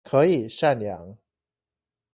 可以善良